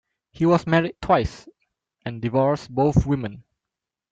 He was married twice and divorced both women.